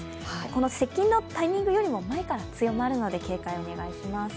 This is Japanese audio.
この接近のタイミングよりも前から強まりますので警戒をお願いします。